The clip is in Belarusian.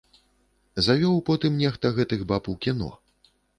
Завёў потым нехта гэтых баб у кіно.